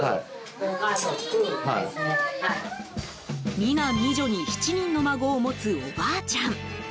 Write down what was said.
２男２女に７人の孫を持つ、おばあちゃん。